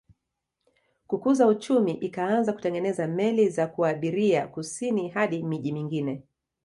Kukuza uchumi ikaanza kutengeneza meli za kuabiria kusini hadi miji mingine